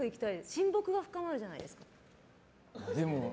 親睦が深まるじゃないですか。